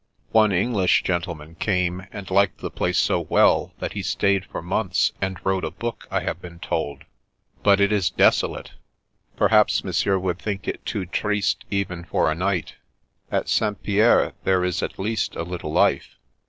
One English gentle The Brat 99 man came, and liked the place so well, that he stayed for months, and wrote a book, I have been told. But it is desolate. Perhaps Monsieur would think it too triste even for a night. At St. Pierre there is at least a little life.